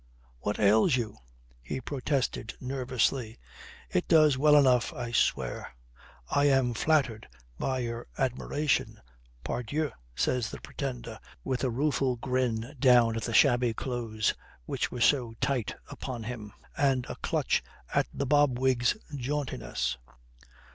"What ails you?" he protested nervously. "It does well enough, I swear." "I am flattered by your admiration, pardieu," says the Pretender, with a rueful grin down at the shabby clothes which were so tight upon him, and a clutch at the bob wig's jauntiness.